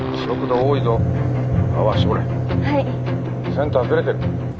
センターずれてる。